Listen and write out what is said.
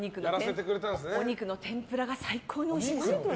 お肉の天ぷらが最高においしいんですよ。